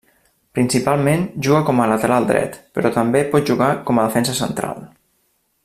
Principalment juga com a lateral dret, però també pot jugar com a defensa central.